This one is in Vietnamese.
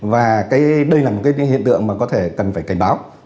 và đây là một cái hiện tượng mà có thể cần phải cảnh báo